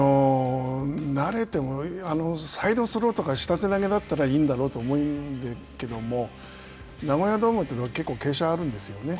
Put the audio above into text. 慣れても、サイドスローとか、下手投げだったらいいんだろうと思うんだけどもナゴヤドームというのは、結構傾斜があるんですよね。